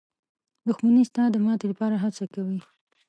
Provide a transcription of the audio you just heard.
دښمن ستا د ماتې لپاره هڅې کوي